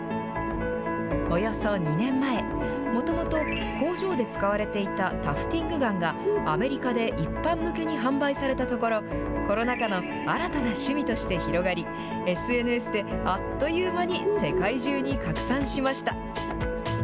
およそ２年前、もともと工場で使われていたタフティングガンがアメリカで一般向けに販売されたところ、コロナ禍の新たな趣味として広がり、ＳＮＳであっという間に世界中に拡散しました。